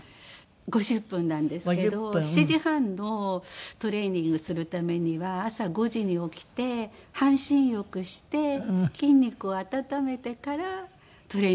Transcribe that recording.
５０分なんですけど７時半のトレーニングするためには朝５時に起きて半身浴して筋肉を温めてからトレーニングに行くんです。